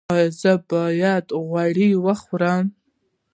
ایا زه باید غوړي وخورم؟